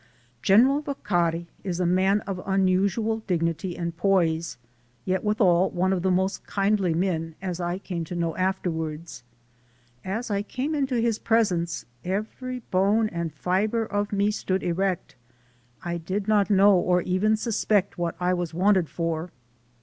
General Vaccari is a man of unusual dignity and poise, yet withal one of the most kindly men, as I came to know afterwards. As MY FINAL CHOICE 321 I came into his presence, every bone and fiber of me stood erect. I did not know or even suspect what I was wanted for.